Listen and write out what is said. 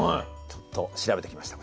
ちょっと調べてきました。